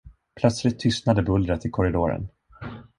Plötsligt tystnade bullret i korridoren.